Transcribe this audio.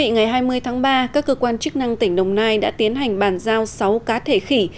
ngày hai mươi tháng ba các cơ quan chức năng tỉnh đồng nai đã tiến hành bàn giao sáu cá thể khỉ